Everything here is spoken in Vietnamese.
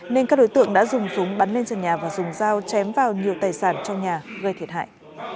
nên các đối tượng đã dùng súng bắn lên trần nhà và dùng dao chém vào nhiều tài sản trong nhà gây thiệt hại